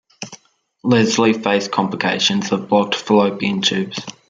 Lesley faced complications of blocked fallopian tubes.